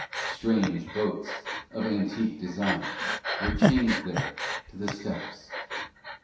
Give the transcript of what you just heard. Strange boats of antique design were chained there to the steps.